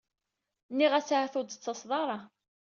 Nniɣ-as ahat ur d-tettaseḍ ara.